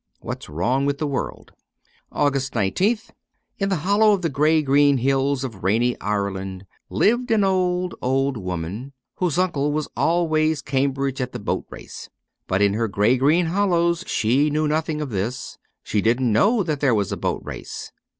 ' What's Wrong with the World.' 256 AUGUST 19th IN a hollow of the grey green hills of rainy Ireland lived an old, old woman, whose uncle was always Cambridge at the Boat Race. But in her grey green hollows, she knew nothing of this ; she didn't know that there was a Boat Race.